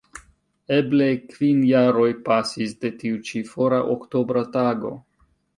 Eble kvin jaroj pasis de tiu ĉi fora oktobra tago.